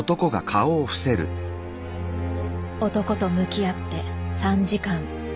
男と向き合って３時間。